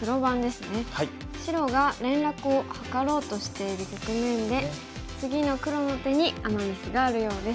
白が連絡を図ろうとしている局面で次の黒の手にアマ・ミスがあるようです。